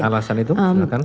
alasan itu silahkan